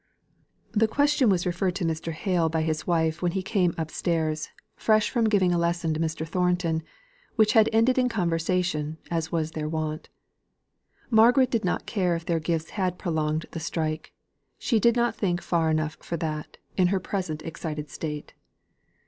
The question was referred to Mr. Hale by his wife, when he came upstairs, fresh from giving a lesson to Mr. Thornton, which had ended in conversation, as was their wont. Margaret did not care if their gifts had prolonged the strife; she did not think far enough for that, in her present excited state.